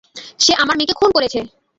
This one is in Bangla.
সে আমার মেয়েকে খুন করেছে!